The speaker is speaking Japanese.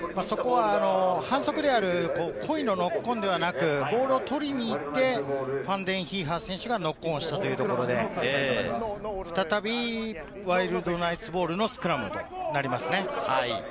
反則である、故意のノックオンではなく、ボールを取りにいって、ファンデンヒーファー選手がノックオンしたということで、再びワイルドナイツボールのスクラムとなりますね。